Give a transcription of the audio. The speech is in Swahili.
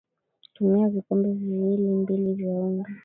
Tumia vikombe viwili mbili vya unga